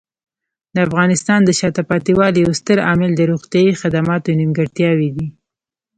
د افغانستان د شاته پاتې والي یو ستر عامل د روغتیايي خدماتو نیمګړتیاوې دي.